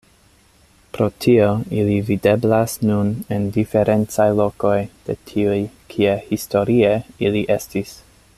Pro tio ili videblas nun en diferencaj lokoj de tiuj kie historie ili estis.